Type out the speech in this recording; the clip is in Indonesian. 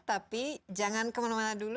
tapi jangan kemana mana dulu